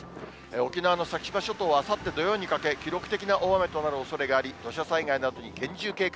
沖縄の先島諸島はあさって土曜にかけ、記録的な大雨となるおそれがあり、土砂災害などに厳重警戒。